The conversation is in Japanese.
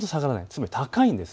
つまり高いんです。